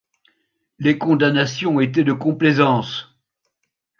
Les condamnations étaient de complaisance.